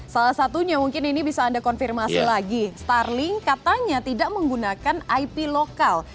salah satunya mungkin ini bisa anda konfirmasi lagi starling katanya tidak menggunakan ip lokal